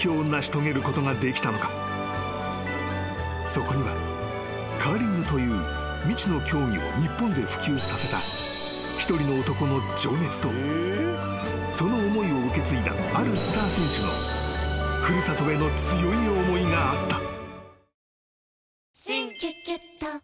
［そこにはカーリングという未知の競技を日本で普及させた一人の男の情熱とその思いを受け継いだあるスター選手の古里への強い思いがあった］